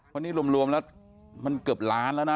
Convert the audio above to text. เพราะนี่รวมแล้วมันเกือบล้านแล้วนะ